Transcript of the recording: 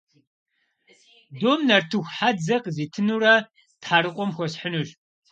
Дум нартыху хьэдзэ къызитынурэ Тхьэрыкъуэм хуэсхьынущ.